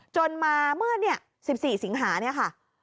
จนมาเมื่อ๑๔สิงหาเนี่ยค่ะ